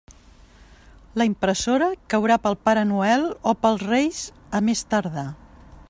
La impressora caurà pel Pare Noel o pels Reis a més tardar.